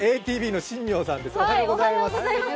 ＡＴＶの新名さんです。